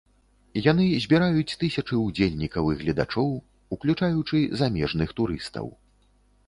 Яны збіраюць тысячы ўдзельнікаў і гледачоў, уключаючы замежных турыстаў.